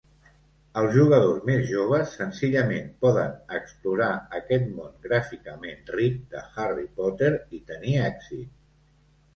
Els jugadors més joves senzillament poden explorar aquest món gràficament ric de "Harry Potter" i tenir èxit.